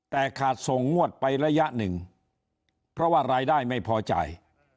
แต่ขาดส่งงวดไประยะหนึ่งเพราะว่ารายได้ไม่พอจ่าย